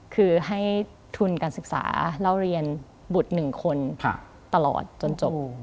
คือให้ทุนการศึกษาเล่าเรียนบุตร๑คนตลอดจนจบ